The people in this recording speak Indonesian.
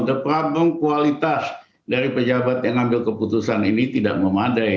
the problem kualitas dari pejabat yang ambil keputusan ini tidak memadai